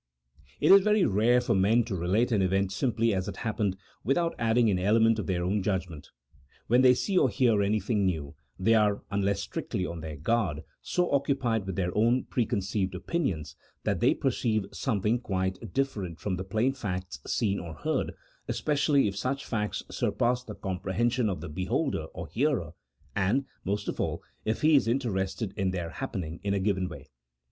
It is very rare for men to relate an event simply as it happened, without adding any element of their own judg ment. When they see or hear anything new, they are, unless strictly on their guard, so occupied with their own preconceived opinions that they perceive something quite different from the plain facts seen or heard, especially if such facts surpass the comprehension of the beholder or hearer, and, most of all, if he is interested in their happen ing in a given way.